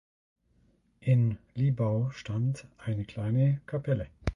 In Liebau stand eine kleine Kapelle.